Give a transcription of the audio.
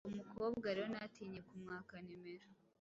uwo mukobwa rero natinye kumwaka nimero